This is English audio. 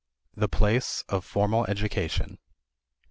The Place of Formal Education.